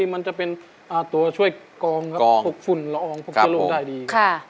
มันจะเป็นอ่าตัวช่วยกองครับกองฟุ่นละอองครับผมได้ดีค่ะ